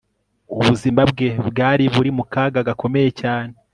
ubuzima bwe bwari buri mu kaga gakomeye cyane